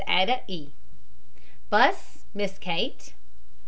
ADA E. BUSS, MISS KATE.